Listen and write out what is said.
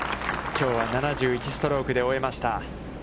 きょうは７１ストロークで終えました。